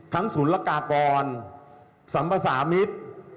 ทั้งศูนย์ลากากรสัมปสามิตธิ์